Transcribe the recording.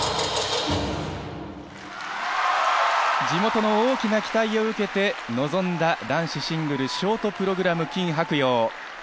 地元の大きな期待を受けて臨んだ、男子シングルショートプログラム、キン・ハクヨウ。